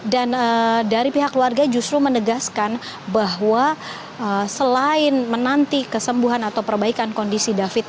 dan dari pihak keluarga justru menegaskan bahwa selain menanti kesembuhan atau perbaikan kondisi david